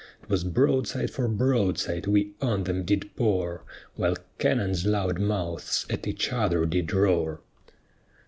'Twas broadside for broadside we on them did pour, While cannon's loud mouths at each other did roar.